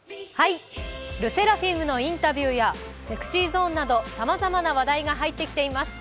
ＬＥＳＳＥＲＡＦＩＭのインタビューやＳｅｘｙＺｏｎｅなどさまざまな話題が入ってきています。